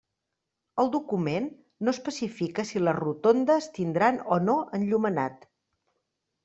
El document no especifica si les rotondes tindran o no enllumenat.